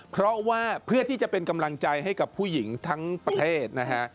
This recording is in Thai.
เพราะว่าเพื่อที่จะเป็นกำลังใจให้กับผู้หญิงทั้งประเทศนะฮะ